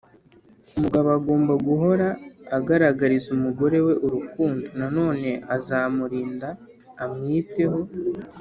Umugabo agomba guhora agaragariza umugore we urukundo Nanone azamurinda amwiteho